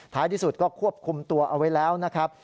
ที่สุดก็ควบคุมตัวเอาไว้แล้วนะครับ